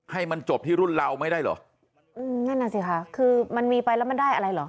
ให้มันจบที่รุ่นเราไม่ได้เหรออืมนั่นน่ะสิค่ะคือมันมีไปแล้วมันได้อะไรเหรอ